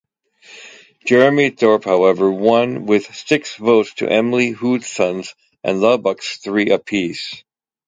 Jeremy Thorpe, however, won with six votes to Emlyn Hooson's and Lubbock's three apiece.